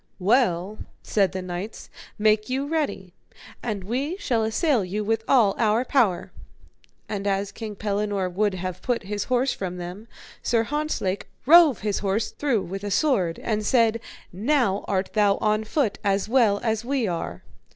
Well, said the knights, make you ready, and we shall assail you with all our power. And as King Pellinore would have put his horse from them, Sir Hontzlake rove his horse through with a sword, and said: Now art thou on foot as well as we are.